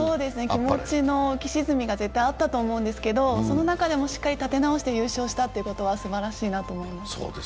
気持ちの浮き沈みがあったと思うんですけども、その中でもしっかり立て直して優勝したのはすばらしいと思います。